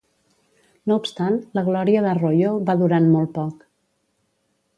No obstant, la glòria d'Arroyo va durant molt poc.